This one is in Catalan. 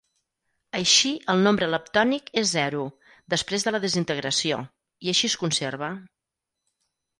Així el nombre leptònic és zero després de la desintegració, i així es conserva.